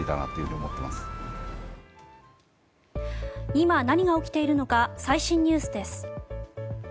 今、何が起きているのか最新ニュースです。